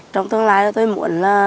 trong tương lai tôi muốn là